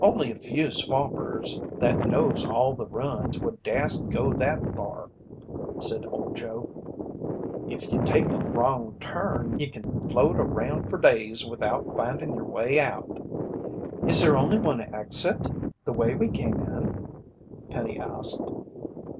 "Only a few swampers that knows all the runs would dast go that far," said Old Joe. "If ye take a wrong turn, ye kin float around fer days without findin' yer way out." "Is there only one exit the way we came in?" Penny asked.